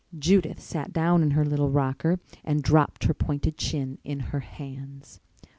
Judith sat down in her little rocker and dropped her pointed chin in her hands.